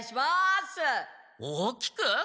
大きく？